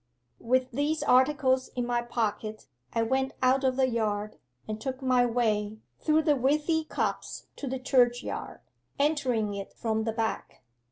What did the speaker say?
'With these articles in my pocket I went out of the yard, and took my way through the withy copse to the churchyard, entering it from the back.